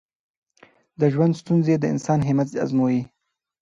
د ژوند ستونزې د انسان همت ازمويي.